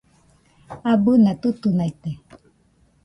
Abɨna tutunaite